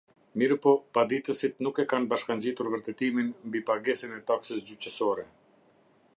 Mirëpo, paditësit nuk e kanë bashkangjitur vërtetimin mbi pagesën e taksës gjyqësore.